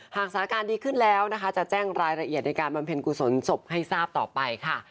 หากสถานการณ์ดีขึ้นแล้วนะคะจะแจ้งรายละเอียดในการบำเพ็ญกุศลศพให้ทราบต่อไปค่ะ